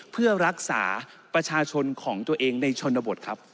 เพื่อรักษาประชาชนของตัวเองในชนบทครับ